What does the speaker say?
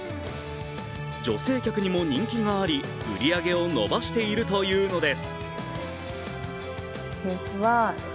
女性客にも人気があり売り上げを伸ばしているというのです。